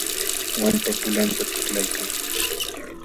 Wallpa pulanta tiklaykan.